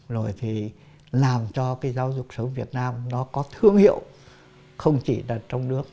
rồi thì làm cho cái giáo dục sớm việt nam nó có thương hiệu không chỉ là trong nước